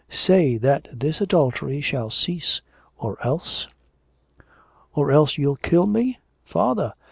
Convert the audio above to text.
'Say that this adultery shall cease, or else ' 'Or else you'll kill me?' 'Father!'